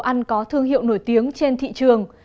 ăn có thương hiệu nổi tiếng trên thị trường